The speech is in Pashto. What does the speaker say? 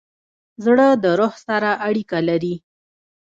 زړه د روح سره اړیکه لري.